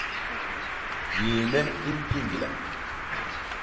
Yééne i mpiñgla.